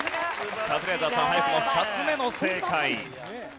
カズレーザーさん早くも２つ目の正解。